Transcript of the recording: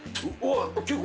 結構。